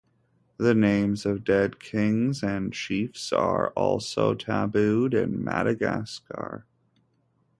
The names of dead kings and chiefs are also tabooed in Madagascar.